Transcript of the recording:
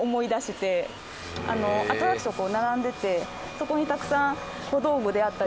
そこにたくさん。